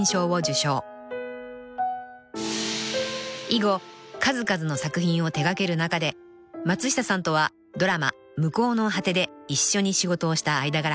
［以後数々の作品を手掛ける中で松下さんとはドラマ『向こうの果て』で一緒に仕事をした間柄］